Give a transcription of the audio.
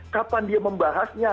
kapan dia membahasnya